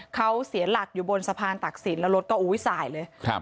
เขาเสียหลักอยู่บนสะพานตักศิลป์แล้วรถก็อุ้ยสายเลยครับ